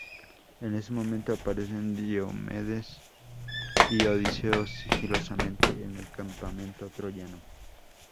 En ese momento aparecen Diomedes y Odiseo sigilosamente en el campamento troyano.